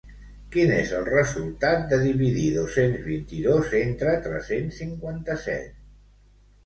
Quin és el resultat de dividir dos-cents vint-i-dos entre tres-cents cinquanta-set?